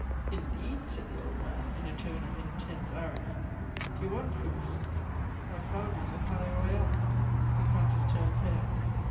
"Indeed!" said the old man, in a tone of intense irony. "Do you want proofs? I found you in the Palais Royal " The Countess turned pale.